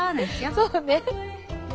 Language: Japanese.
そうね。